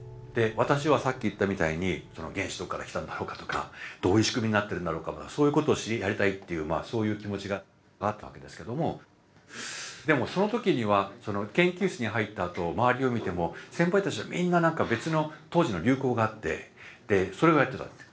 私はさっき言ったみたいに原子どっから来たんだろうかとかどういう仕組みになってるんだろうかそういうことをやりたいっていうそういう気持ちがあったわけですけどもでもその時には研究室に入ったあと周りを見ても先輩たちはみんな何か別の当時の流行があってそれをやってたんです。